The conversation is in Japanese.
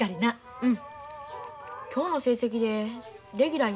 うん。